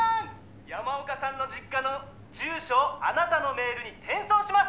山岡さんの実家の住所をあなたのメールに転送します